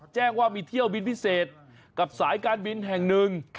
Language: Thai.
แจ้งว่ามีเที่ยวบินพิเศษกับสายการบินแห่งหนึ่ง